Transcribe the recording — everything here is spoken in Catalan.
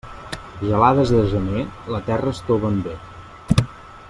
Gelades de gener, la terra estoven bé.